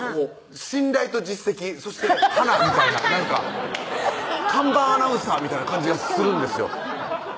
信頼と実績そして華みたいななんか看板アナウンサーみたいな感じがするんですよ